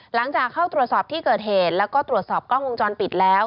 หลังจากเข้าตรวจสอบที่เกิดเหตุแล้วก็ตรวจสอบกล้องวงจรปิดแล้ว